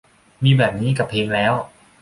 มีแบบนี้กับเพลงแล้ว